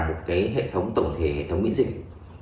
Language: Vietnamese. những hệ thống tổng thể hệ thống miễn dịch